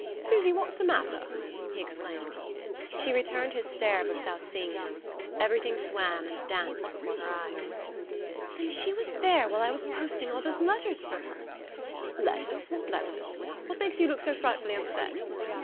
Susy, what's the matter?" he exclaimed. She returned his stare, but without seeing him. Everything swam and danced before her eyes. "Then she was there while I was posting all those letters for her ?" "Letters what letters? What makes you look so frightfully upset?"